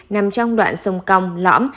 nằm trong đoạn sông cong lõm